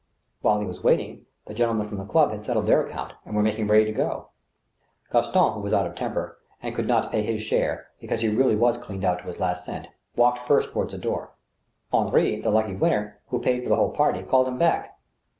While he was waiting, the gentlemen from the club had settled their account and were making ready to go. Gaston, who was out of temper, and who could not pay his share, because he really was cleaned out to his last cent, walked first toward the door. Henri, the lucky winner, who paid for the whole party, called him back.